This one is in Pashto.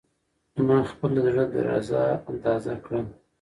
ما خپله د زړه درزا اندازه کړه.